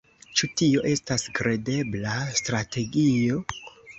Ĉu tio estas kredebla strategio?